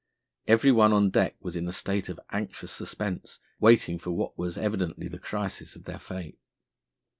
Every one on deck was in a state of anxious suspense, waiting for what was evidently the crisis of their fate.